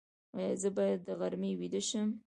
ایا زه باید د غرمې ویده شم؟